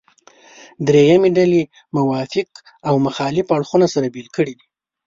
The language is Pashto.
درېیمې ډلې موافق او مخالف اړخونه سره بېل کړي دي.